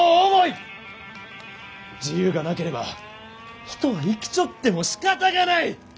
自由がなければ人は生きちょってもしかたがない！